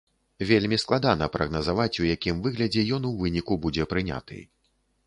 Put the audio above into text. Вельмі складана прагназаваць, у якім выглядзе ён у выніку будзе прыняты.